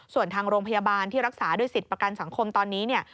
ส่วนทางโรงพยาบาลที่รักษาด้วยสิทธิ์ประกันสังคมตอนนี้เนี่ย